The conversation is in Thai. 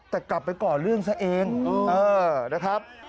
แต่กลับไปก่อเรื่องซะเองนะครับ